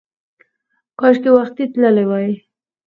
کاشکې وختي تللی وای!